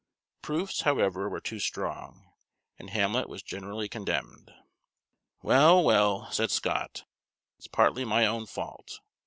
Proofs, however, were too strong, and Hamlet was generally condemned. "Well, well," said Scott, "it's partly my own fault.